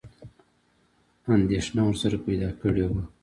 انېدښنه ورسره پیدا کړې وه.